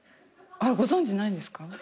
あらご存じないんですか？